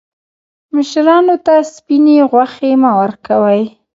مشرانو ته سپیني غوښي مه ورکوئ.